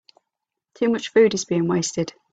Too much food is being wasted.